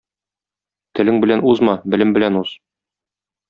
Телең белән узма, белем белән уз.